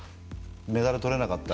メダルを取れなかった。